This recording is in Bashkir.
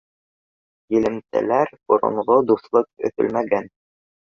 Элемтәләр, боронғо дуҫлыҡ өҙөлмәгән